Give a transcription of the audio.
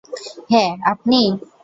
হ্যাঁ, আপনি।